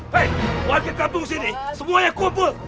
hei semua warga kampung ini semuanya kumpul